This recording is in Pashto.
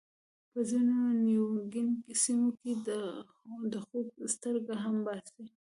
په ځینو نیوګیني سیمو کې د خوک سترګې هم باسي.